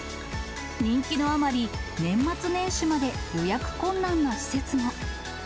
人気のあまり、年末年始まで予約困難な施設も。